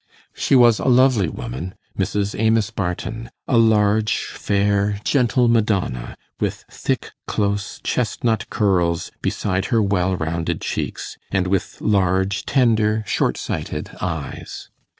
She was a lovely woman Mrs. Amos Barton, a large, fair, gentle Madonna, with thick, close, chestnut curls beside her well rounded cheeks, and with large, tender, short sighted eyes.